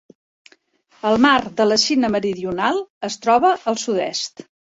El mar de la Xina Meridional es troba al sud-est.